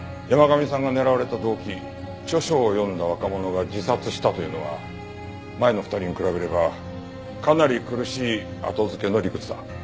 山神さんが狙われた動機「著書を読んだ若者が自殺した」というのは前の２人に比べればかなり苦しい後付けの理屈だ。